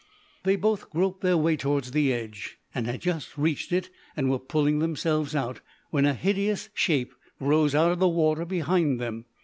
They both groped their way towards the edge, and had just reached it and were pulling themselves out when a hideous shape rose out of the water behind them.